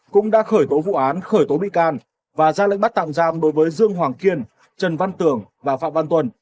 cũng đã khởi tổ vụ án khởi tổ bị can và ra lệnh bắt tạm giam đối với dương hoàng kiên trần văn tường và phạm văn tuần